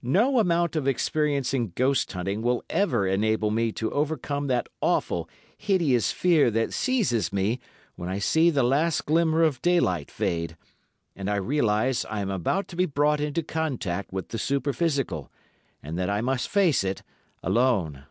No amount of experience in ghost hunting will ever enable me to overcome that awful, hideous fear that seizes me when I see the last glimmer of daylight fade, and I realise I am about to be brought into contact with the superphysical, and that I must face it—alone.